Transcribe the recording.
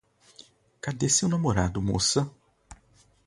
Cadê seu namorado, moça?